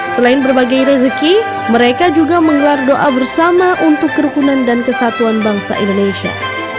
selain berbagai rezeki mereka juga menggelar doa bersama untuk kerukunan dan kesatuan bangsa indonesia